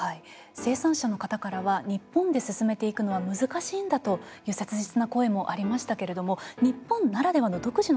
生産者の方からは日本で進めていくのは難しいんだという切実な声もありましたけれども日本ならではの独自の課題というのもあるんでしょうか？